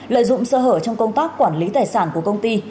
lợi dụng sơ hở trong công tác quản lý tài sản của công ty